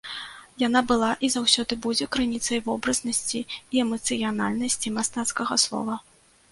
Яна была і заўсёды будзе крыніцай вобразнасці і эмацыянальнасці мастацкага слова.